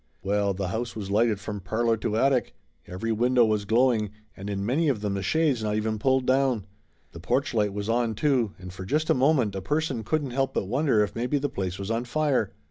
Well, the house was lighted from parlor to attic. Every window was glowing and in many of them the shades not even pulled down. The porch light was on, too, and for just a moment a person couldn't help but wonder if maybe the place was on fire.